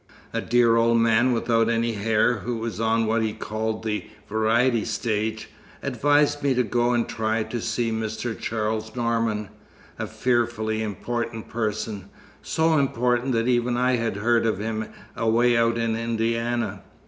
A dear old man without any hair, who was on what he called the 'Variety Stage,' advised me to go and try to see Mr. Charles Norman, a fearfully important person so important that even I had heard of him, away out in Indiana.